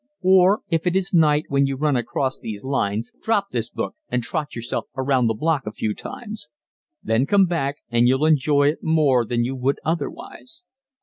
_ Or, if it is night when you run across these lines, drop this book and trot yourself around the block a few times. Then come back and you'll enjoy it more than you would otherwise.